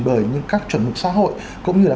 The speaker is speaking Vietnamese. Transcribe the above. bởi những các chuẩn mực xã hội cũng như là